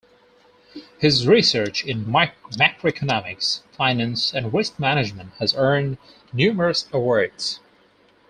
His research in macroeconomics, finance, and risk management has earned numerous awards.